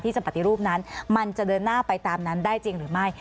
จะปฏิรูปนั้นมันจะเดินหน้าไปตามนั้นได้จริงหรือไม่